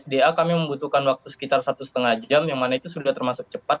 da kami membutuhkan waktu sekitar satu lima jam yang mana itu sudah termasuk cepat